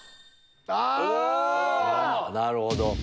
なるほど。